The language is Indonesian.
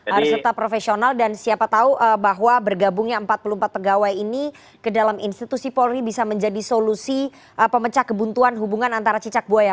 harus tetap profesional dan siapa tahu bahwa bergabungnya empat puluh empat pegawai ini ke dalam institusi polri bisa menjadi solusi pemecah kebuntuan hubungan antara cicak buaya